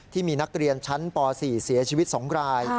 ที่มีนักเรียนชั้นป๔เสียชีวิต๒ราย